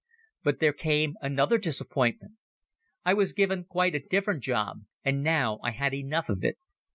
But there came another disappointment! I was given quite a different job and now I had enough of it.